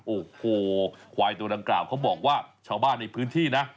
โอ้โหควายตัวดังกล่าวเขาบอกว่าชาวบ้านในพื้นที่นะ